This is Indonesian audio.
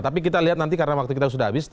tapi kita lihat nanti karena waktu kita sudah habis